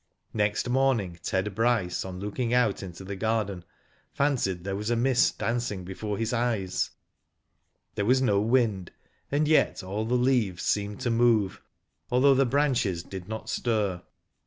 Next morning Ted Bryce on looking out jnto the ' garden fancied there was a mist dancing before his eyes. There was no wind, and yet all the leaves Digitized byGoogk i86 WHO DID ITf seemed to • move, although the branches did not stir.